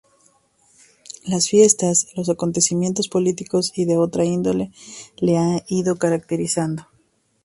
Las fiestas, los acontecimientos políticos y de otra índole, la han ido caracterizando.